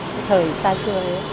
cái thời xa xưa đấy